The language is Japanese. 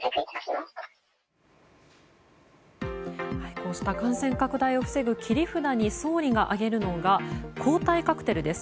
こうした感染拡大を防ぐ切り札に総理が挙げるのが抗体カクテルです。